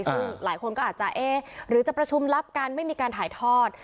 ซึ่งหลายคนก็อาจจะเอ๊ะหรือจะประชุมลับกันไม่มีการถ่ายทอด